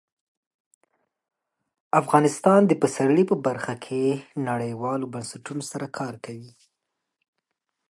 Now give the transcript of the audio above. افغانستان د پسرلی په برخه کې نړیوالو بنسټونو سره کار کوي.